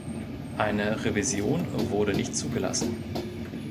Eine Revision wurde nicht zugelassen.